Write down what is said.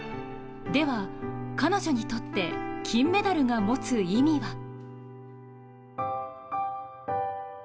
では、彼女にとって金メダルが持つ意味は？